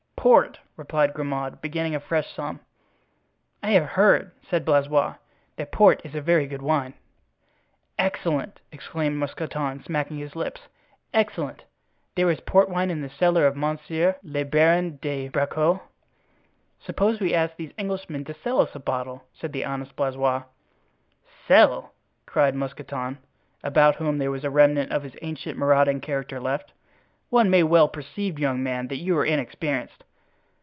"Port!" replied Grimaud, beginning a fresh sum. "I have heard," said Blaisois, "that port is a very good wine." "Excellent!" exclaimed Mousqueton, smacking his lips. "Excellent; there is port wine in the cellar of Monsieur le Baron de Bracieux." "Suppose we ask these Englishmen to sell us a bottle," said the honest Blaisois. "Sell!" cried Mousqueton, about whom there was a remnant of his ancient marauding character left. "One may well perceive, young man, that you are inexperienced.